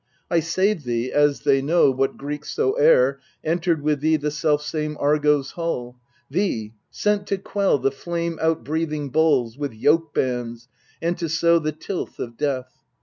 I saved thee, as they know, what Greeks soe'er Entered with thee the selfsame Argo's hull, Thee, sent to quell the flame outbreathing bulls With yoke bands, and to sow the tilth of death.